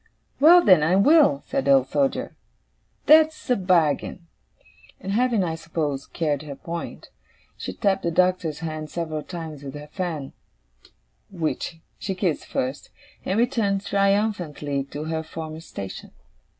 'Well, then, I will!' said the Old Soldier. 'That's a bargain.' And having, I suppose, carried her point, she tapped the Doctor's hand several times with her fan (which she kissed first), and returned triumphantly to her former station.